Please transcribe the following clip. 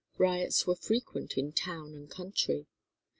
Riots were frequent in town and country.